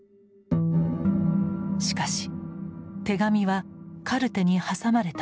しかし手紙はカルテに挟まれたまま。